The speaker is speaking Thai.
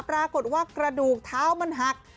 ปรากฏว่ากระดูกเท้ามันหัก